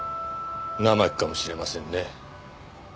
生木かもしれませんね。